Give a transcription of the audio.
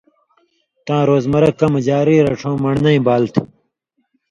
تاں روزمرہ کمہۡ جاری رڇھؤں من٘ڑنئ بال تھی